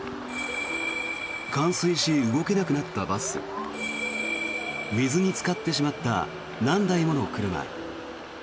冠水し、動けなくなったバス水につかってしまった何台もの車